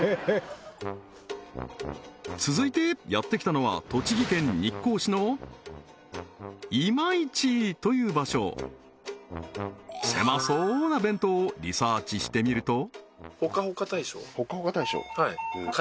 続いてやってきたのは栃木県日光市の今市という場所せまそうな弁当をリサーチしてみると